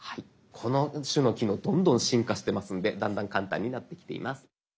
この種の機能どんどん進化してますのでだんだん簡単になってきています。